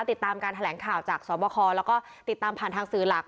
ติดตามการแถลงข่าวจากสวบคแล้วก็ติดตามผ่านทางสื่อหลัก